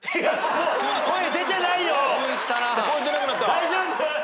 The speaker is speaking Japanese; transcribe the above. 大丈夫！？